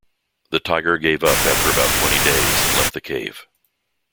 The tiger gave up after about twenty days and left the cave.